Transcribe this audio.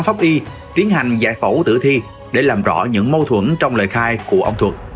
phẫu tử thi để làm rõ những mâu thuẫn trong lời khai của ông thuật